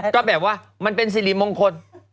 ก็แบบว่ามันเป็นสิริมงคล